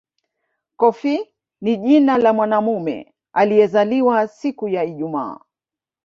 Kofi ni jina la mwanamume aliyezaliwa siku ya Ijumaa